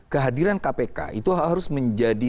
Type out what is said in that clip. kehadiran kpk itu harus menjadi